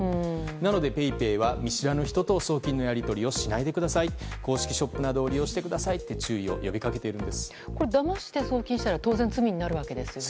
なのでＰａｙＰａｙは見知らぬ人と送金のやり取りをしないでください公式ショップなどを利用してくださいとだまして送金したら当然、罪になるんですよね。